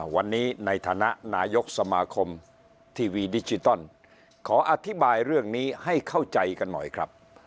วันนี้ในฐานะนายกสมาคมทีวีดิจิตอลขออธิบายเรื่องนี้ให้เข้าใจกันหน่อยครับ